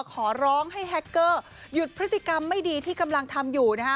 ขอร้องให้แฮคเกอร์หยุดพฤติกรรมไม่ดีที่กำลังทำอยู่นะฮะ